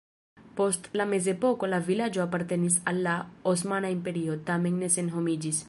Post la mezepoko la vilaĝo apartenis al la Osmana Imperio, tamen ne senhomiĝis.